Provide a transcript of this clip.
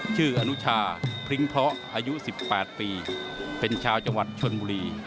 ชื่ออนุชาพริ้งเพราะอายุ๑๘ปีเป็นชาวจังหวัดชนบุรี